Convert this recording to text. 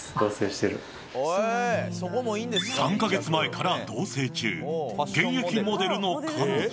３か月前から同棲中現役モデルの彼女。